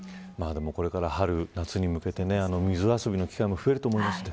これから春夏に向けて水遊びの機会も増えると思います。